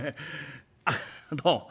あっどうも。